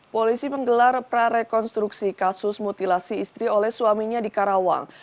polisi menggelar prarekonstruksi kasus mutilasi istri oleh suaminya di karawang